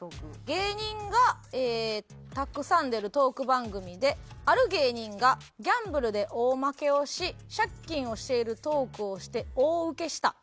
芸人がたくさん出るトーク番組である芸人がギャンブルで大負けをし借金をしているトークをして大ウケした。